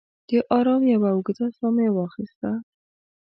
د ارام یوه اوږده ساه مې واخیسته.